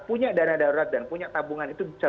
punya dana darurat dan punya tabungan itu bisa